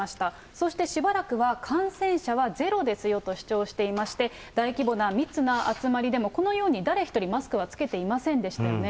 そしてしばらくは感染者はゼロですよと主張していまして、大規模な密な集まりでも、このように誰一人マスクは着けていませんでしたよね。